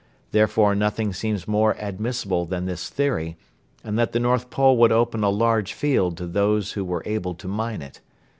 Therefore nothing seemed more admissible than this theory, and that the North Pole would open a large field to those who were able to mine it.